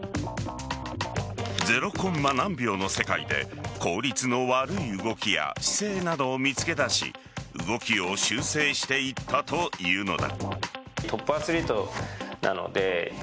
ゼロコンマ何秒の世界で効率の悪い動きや姿勢などを見つけ出し動きを修正していったというのだ。